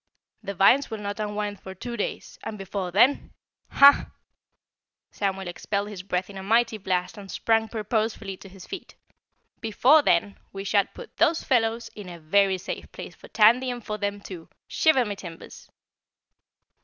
"The vines will not unwind for two days and before THEN HAH!" Samuel expelled his breath in a mighty blast and sprang purposefully to his feet. "Before then we shall put those fellows in a very safe place for Tandy and for them too, shiver my timbers!"